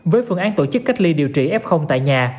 với phương án tổ chức cách ly điều trị f tại nhà